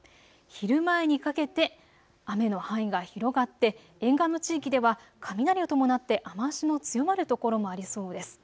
昼前にかけて雨の範囲が広がって沿岸の地域では雷を伴って雨足の強まる所もありそうです。